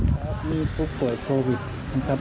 ครับมีผู้ป่วยโควิดนะครับ